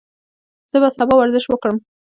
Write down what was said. زه به سبا ورزش وکړم.